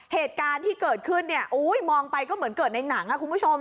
เหตุการณ์ที่เกิดขึ้นนี่อู้วมองไปก็เหมือนในหนังครับคุณผู้ชม